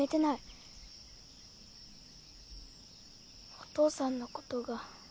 お父さんのことが。